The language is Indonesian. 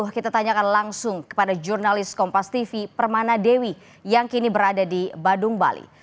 kita tanyakan langsung kepada jurnalis kompas tv permana dewi yang kini berada di badung bali